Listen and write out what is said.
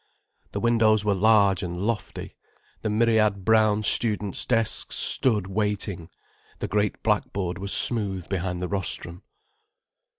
The windows were large and lofty, the myriad brown students' desks stood waiting, the great blackboard was smooth behind the rostrum.